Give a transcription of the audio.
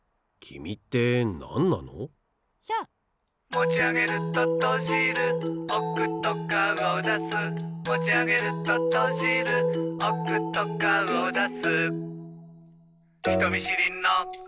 「もちあげるととじるおくとかおだす」「もちあげるととじるおくとかおだす」